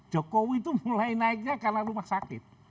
jokowi itu mulai naiknya karena rumah sakit